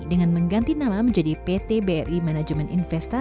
dengan mengganti nama menjadi pt bri management incorporated